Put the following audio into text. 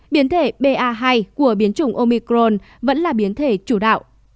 biến thể ba hai của biến chủng omicron vẫn là biến thể chủ đạo